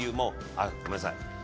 あっごめんなさい。